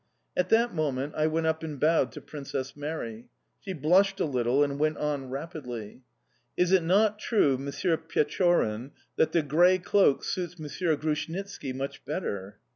At that moment I went up and bowed to Princess Mary. She blushed a little, and went on rapidly: "Is it not true, Monsieur Pechorin, that the grey cloak suits Monsieur Grushnitski much better?"...